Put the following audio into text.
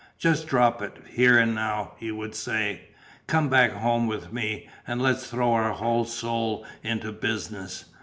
"Just drop it, here and now," he would say. "Come back home with me, and let's throw our whole soul into business.